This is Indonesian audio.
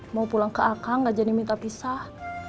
mau pulang ke akang gak jadi minta pisah